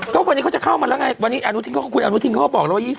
ก็วันนี้เขาจะเข้ามาแล้วไงวันนี้อนุทินคุณอนุทินเขาก็บอกแล้วว่า